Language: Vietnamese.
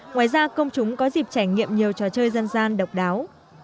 ngoài ra công chúng có dịp trải nghiệm nhiều trò chơi dân gian độc đáo